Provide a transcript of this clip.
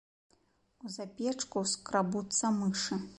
У запечку скрабуцца мышы.